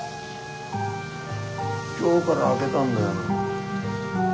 今日から開けたんだよ。